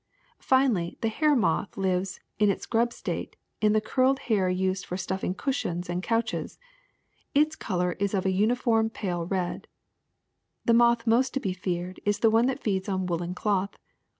^^ Finally, the hair moth lives, in its grub state, in the curled hair used for stuflfing cushions and couches. In color it is of a uniform pale red. The moth most to be feared is the one that feeds on woolen cloth.